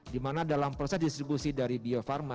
dimana dalam proses distribusi dari bio farma